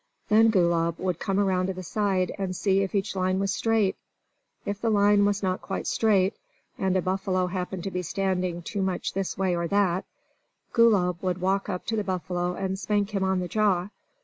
Then Gulab would come around to the side, and see if each line was straight. If the line was not quite straight, and a buffalo happened to be standing too much this way or that, Gulab would walk up to the buffalo and spank him on the jaw.